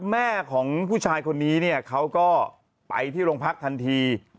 แม่ของผู้ชายคนนี้เนี่ยเขาก็ไปที่โรงพักทันที